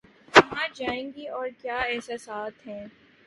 کہاں جائیں گی اور کیا احساسات ہیں